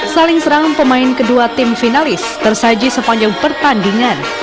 saling serang pemain kedua tim finalis tersaji sepanjang pertandingan